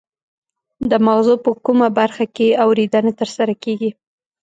د مغزو په کومه برخه کې اوریدنه ترسره کیږي